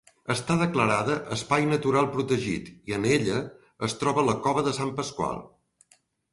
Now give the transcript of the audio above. Està declarada Espai Natural Protegit i en ella es troba la cova de Sant Pasqual.